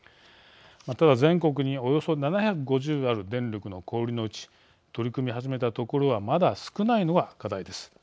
ただ、全国におよそ７５０ある電力の小売りのうち取り組み始めたところはまだ少ないのが課題です。